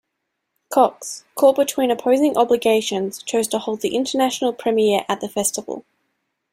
Cox, caught between opposing obligations, chose to hold the international premiere at the festival.